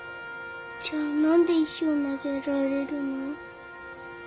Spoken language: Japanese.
じゃあ何で石を投げられるの？